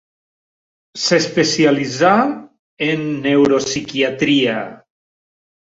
S'especialitzà en neuropsiquiatria.